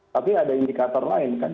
tapi ada indikator lain kan